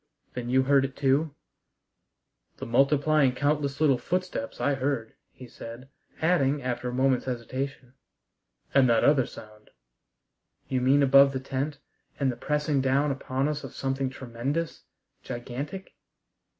"Then you heard it too?" "The multiplying countless little footsteps I heard," he said, adding, after a moment's hesitation, "and that other sound " "You mean above the tent, and the pressing down upon us of something tremendous, gigantic?"